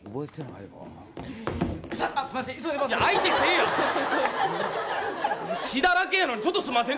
いや、血だらけやのに「ちょっとすみません」